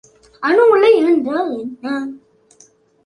அணு உலை என்றால் என்ன?